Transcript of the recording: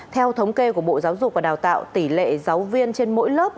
theo thống kê của bộ giáo dục và đào tạo tỷ lệ giáo viên trên mỗi lớp